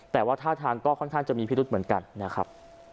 แต่ว่าท่าทางก็ค่อนข้างจะมีพิรุธเหมือนกันนะครับ